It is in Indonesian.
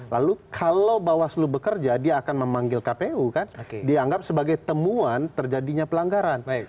lalu kalau bawaslu bekerja dia akan memanggil kpu kan dianggap sebagai temuan terjadinya pelanggaran